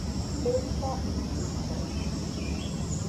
Ésta es su historia.